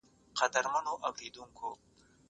که وخت وي، سیر کوم!!